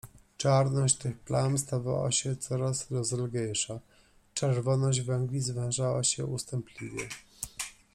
Czarność tych plam stawała się coraz rozleglejsza - czerwoność węgli zwężała się ustępliwie.